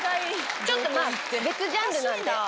ちょっとまぁ別ジャンルなんで。